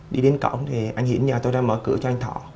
đi đến cổng thì anh hiển nhờ tôi ra mở cửa cho anh thọ